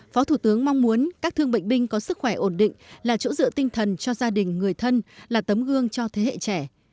phó thủ tướng mong muốn các thương bệnh binh có sức khỏe ổn định là chỗ dựa tinh thần cho gia đình người thân là tấm gương cho thế hệ trẻ